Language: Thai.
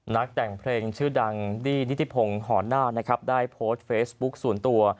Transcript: นักแต่งเพลงชื่อดังดินิติพงศ์ห่อหน้าได้โพสต์เฟซบุ๊กส่วนตัว